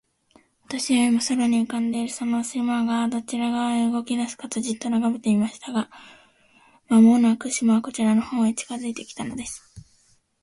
私は、今、空に浮んでいるその島が、どちら側へ動きだすかと、じっと眺めていました。が、間もなく、島はこちらの方へ近づいて来たのです。